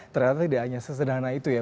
ternyata tidak hanya sesederhana itu ya